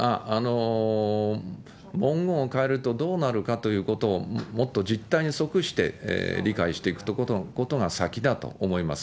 文言を変えるとどうなるかということを、もっと実態に即して理解していくことが先だと思います。